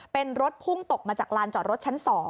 เป็นรถพุ่งตกมาจากลานจอดรถชั้น๒